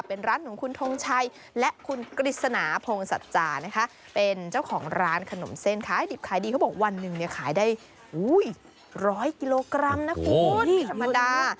เป็นร้านของคุณทงชัยและคุณกฤษณาพงศัจจานะคะเป็นเจ้าของร้านขนมเส้นขายดิบขายดีเขาบอกวันหนึ่งเนี่ยขายได้ร้อยกิโลกรัมนะคุณไม่ธรรมดา